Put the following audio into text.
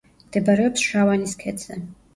მდებარეობს შავანის ქედზე.